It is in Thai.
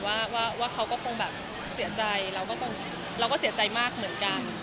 ว่าเขาคงเสียใจเราก็เสียใจมากเหมือนกัน